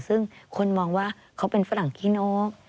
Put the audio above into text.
ซึ่งคนมองว่าเขาเป็นฝรั่งขี้นก